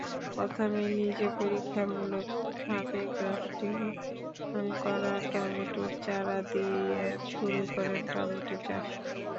প্রথমে নিজে পরীক্ষামূলকভাবে গ্রাফটিং করা টমেটোর চারা দিয়ে শুরু করেন টমেটো চাষ।